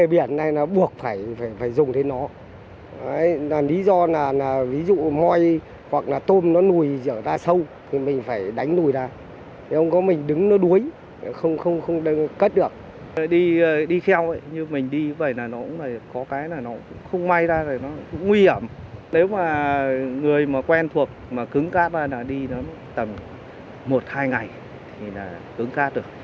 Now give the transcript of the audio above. mà cứng cát mà đi tầm một hai ngày thì là cứng cát được